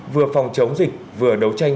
vừa phòng chống dịch vừa đấu tranh